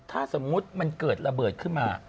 ถ้าสมมุติมันเกิดระเบิดขึ้นมา